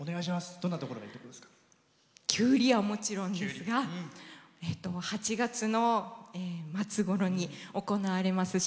どんなところがきゅうりは、もちろんですが８月の末ごろに行われます